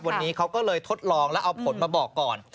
วันนี้เขาก็เลยทดลองแล้วเอาผลมาบอกก่อน